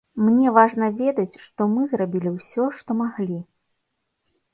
Мне важна ведаць, што мы зрабілі ўсё, што маглі.